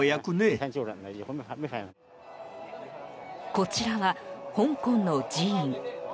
こちらは香港の寺院。